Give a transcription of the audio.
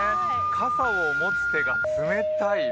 傘を持つ手が冷たい。